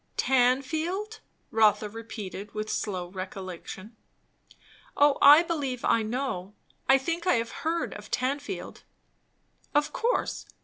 "Tanfield " Rotha repeated with slow recollection. "O I believe I know. I think I have heard of Tanfield." "Of course.